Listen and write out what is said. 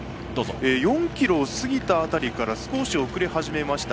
４ｋｍを過ぎた辺りから少し遅れ始めました。